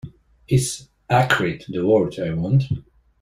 Is 'acrid' the word I want?